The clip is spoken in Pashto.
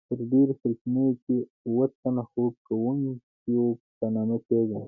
په ډیرو سرچینو کې اوه تنه خوب کوونکيو په نامه پیژني.